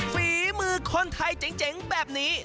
ฝีมือคนไทยเจ๋งแบบนี้